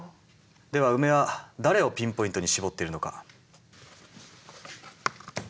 ではウメは誰をピンポイントに絞っているのか。